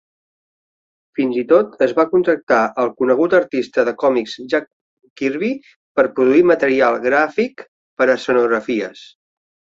Fins i tot es va contractar el conegut artista de còmics Jack Kirby per produir material gràfic per a escenografies.